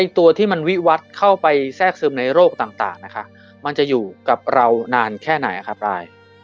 ตัวที่มันวิวัติเข้าไปแทรกซึมในโรคต่างนะคะมันจะอยู่กับเรานานแค่ไหนครับราย